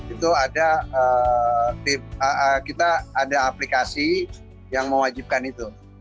itu ada kita ada aplikasi yang mewajibkan itu